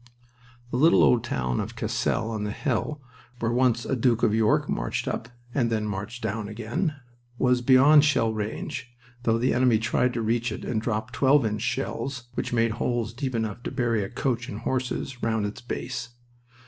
The little old town of Cassel on the hill where once a Duke of York marched up and then marched down again was beyond shell range, though the enemy tried to reach it and dropped twelve inch shells (which make holes deep enough to bury a coach and horses) round its base.